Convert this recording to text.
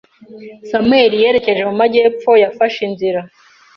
Samuelyerekeje mumajyepfoYafashe inzira